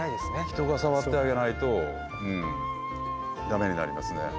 人が触ってあげないとうーんだめになりますね。